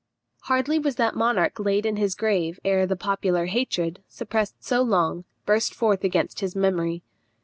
Hardly was that monarch laid in his grave ere the popular hatred, suppressed so long, burst forth against his memory.